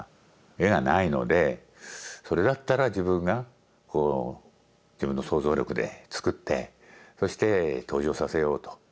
絵がないのでそれだったら自分が自分の想像力でつくってそして登場させようと。